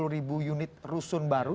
lima puluh ribu unit rusun baru